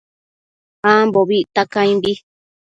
Ambobi icta caimbi